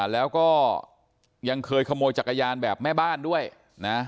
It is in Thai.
แล้วก็ยังเคยขโมยจักรยานแบบแม่บ้านด้วยนะ